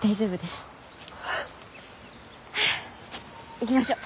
行きましょう。